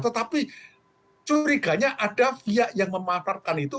tetapi curiganya ada via yang mematarkan itu